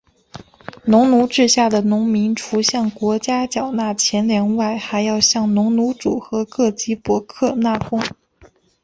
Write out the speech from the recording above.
农奴制下的农民除向国家缴纳钱粮外还要向农奴主和各级伯克纳贡。